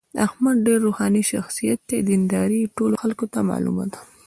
احمد ډېر روښاني شخصیت دی. دینداري ټولو خلکو ته معلومه ده.